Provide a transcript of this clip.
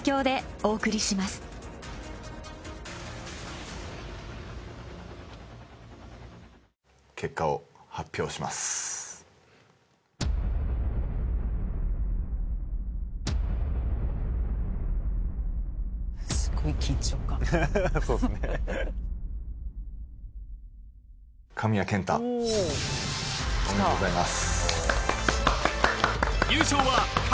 おめでとうございます。